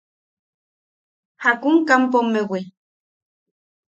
¿Jakun kampomewi?